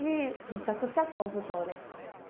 むちゃくちゃ恐怖症です。